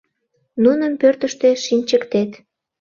— Нуным пӧртыштӧ шинчыктет!